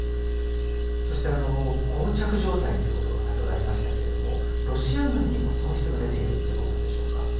そしてこう着状態ということばが先ほどありましたけれども、ロシア軍にも損失が出ているってことなんでしょうか。